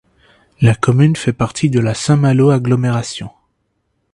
La commune fait partie de la Saint-Malo agglomération.